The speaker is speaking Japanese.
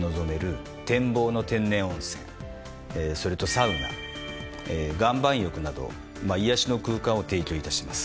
それとサウナ岩盤浴など癒やしの空間を提供いたします。